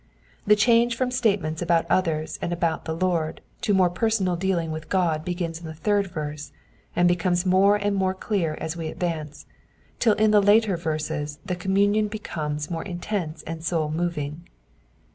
The cliangefrom statements about others and about the Lord to more personal dealing voith Ood begins in the third verse, and becomes more and more clear as we advance, till in the later verses the communion becomes most intense and soul moving.